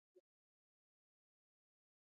یاقوت د افغانستان د کلتوري میراث برخه ده.